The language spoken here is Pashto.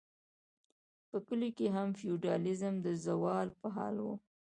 په کلیو کې هم فیوډالیزم د زوال په حال و.